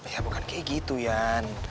ya bukan kayak gitu ya